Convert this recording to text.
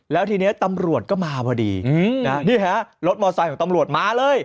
แล้วทีนี้ตำรวจก็มาพอดีนี่ฮะรถมอไซค์ของตำรวจมาเลย